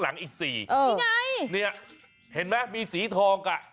อันนี้สีทอง